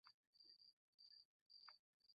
কর্ম করা সব সময়ই কঠিন।